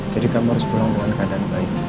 jadi kamu harus berlangsung ke keadaan baik